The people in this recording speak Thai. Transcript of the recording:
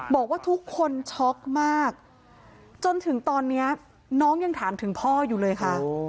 บอกว่าทุกคนช็อกมากจนถึงตอนนี้น้องยังถามถึงพ่ออยู่เลยค่ะ